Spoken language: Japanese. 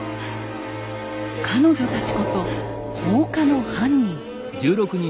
彼女たちこそ放火の犯人。